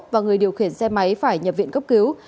và người điều khiển xe máy phải nhập viện cấp cứu